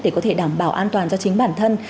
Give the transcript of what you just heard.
để có thể đảm bảo an toàn cho chính bản thân